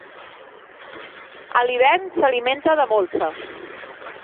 A l'hivern s'alimenta de molsa.